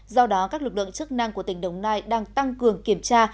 do đó các lực lượng chức năng của tỉnh đồng nai đang tăng cường kiểm tra